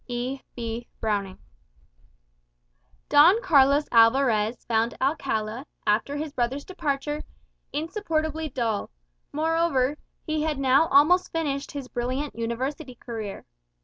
E. B. Browning Don Carlos Alvarez found Alcala, after his brother's departure, insupportably dull; moreover, he had now almost finished his brilliant university career.